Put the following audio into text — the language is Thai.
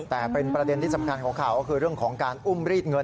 แต่เป็นประเด็นที่สำคัญของข่าวก็คือเรื่องของการอุ้มรีดเงิน